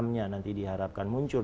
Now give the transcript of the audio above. tiga puluh enam nya nanti diharapkan muncul